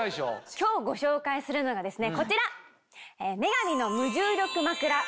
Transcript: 今日ご紹介するのがですねこちら！